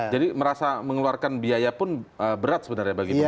merasa mengeluarkan biaya pun berat sebenarnya bagi pemerintah